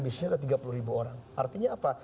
bisnisnya ada tiga puluh ribu orang artinya apa